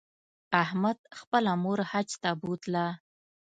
احمد خپله مور حج ته بوتله